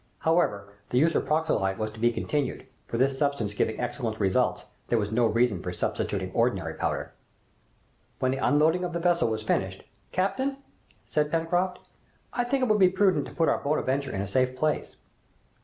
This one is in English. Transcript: However, the use of pyroxyle was to be continued, for this substance giving excellent results, there was no reason for substituting ordinary powder. When the unloading of the vessel was finished, "Captain," said Pencroft, "I think it would be prudent to put our 'Bonadventure' in a safe place."